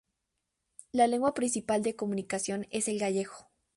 La lengua principal de comunicación es el gallego.